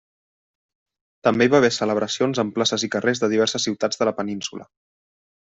També hi va haver celebracions en places i carrers de diverses ciutats de la península.